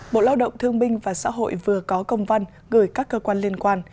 bộ lao động thương minh và xã hội vừa có công văn gửi các cơ quan liên quan